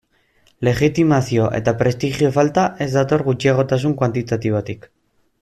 Legitimazio eta prestigio falta ez dator gutxiagotasun kuantitatibotik.